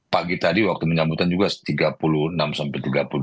pagi tadi waktu menyambutan juga tiga puluh enam sampai tiga puluh dua